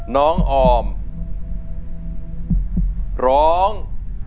น้องออมร้อง